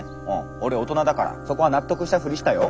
俺大人だからそこは納得したフリしたよ。